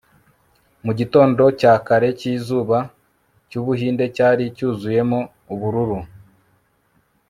Mu gitondo cya kare cyizuba cyu Buhinde cyari cyuzuyemo ubururu